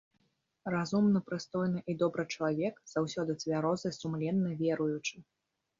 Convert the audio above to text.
Разумны, прыстойны і добры чалавек, заўсёды цвярозы, сумленны, веруючы.